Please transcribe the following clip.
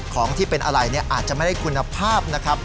ของที่เป็นอะไรอาจจะไม่ได้คุณภาพนะครับ